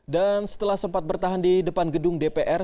dan setelah sempat bertahan di depan gedung dpr